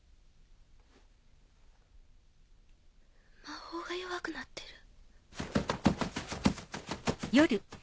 魔法が弱くなってる。